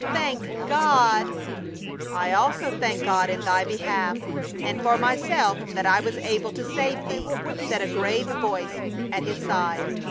"Thank God !"" I also thank God in thy behalf, and for myself that I was able to save thee," said a grave voice at his side.